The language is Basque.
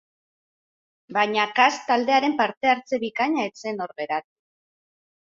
Baina Kas taldearen parte-hartze bikaina ez zen hor geratu.